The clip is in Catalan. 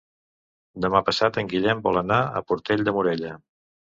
Demà passat en Guillem vol anar a Portell de Morella.